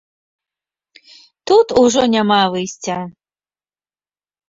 Тут ужо няма выйсця.